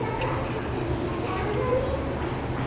ごきげんなサウンドね。